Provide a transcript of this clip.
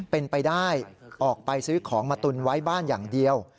เป็นไปได้ออกไปซื้อของมาตุนไว้บ้านอย่างเดียว